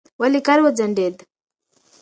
ولې کار وځنډېد؟